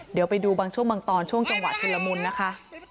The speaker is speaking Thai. เดี๋ยวไปดูบางช่วงบางตอนช่วงจังหวะชุนละมุนนะคะ